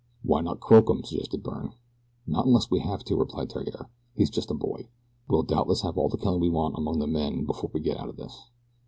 "Why not croak him?" suggested Byrne. "Not unless we have to," replied Theriere; "he's just a boy we'll doubtless have all the killing we want among the men before we get out of this."